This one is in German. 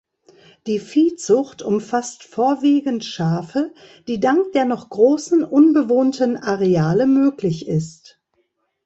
Die Viehzucht umfasst vorwiegend Schafe, die dank der noch großen unbewohnten Areale möglich ist.